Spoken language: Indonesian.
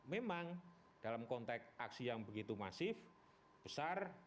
memang dalam konteks aksi yang begitu masif besar